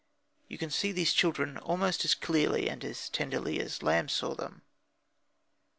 You can see these children almost as clearly and as tenderly as Lamb saw them.